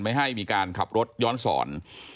ไม่ให้มีการขับรถย้อนสอน